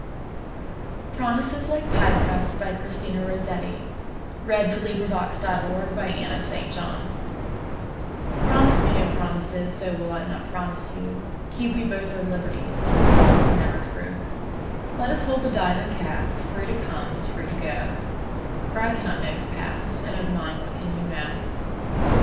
e Promises Like Pie Crust by Christina Rossetti Promise me no promises, So will I not promise you:Keep we both our liberties, Never false and never true:Let us hold the die uncast, Free to come as free to go:For I cannot know your past, And of mine what can you know?